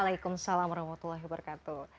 waalaikumsalam warahmatullahi wabarakatuh